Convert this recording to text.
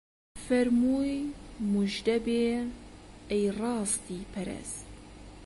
فەرمووی موژدەبێ ئەی ڕاستی پەرست